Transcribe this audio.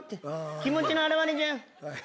気持ちの表れじゃん。